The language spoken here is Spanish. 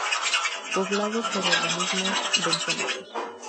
Poblado por organismos bentónicos.